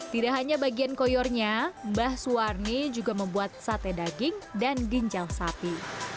tidak hanya bagian koyornya mbah suwarni juga membuat sate daging dan ginjal sapi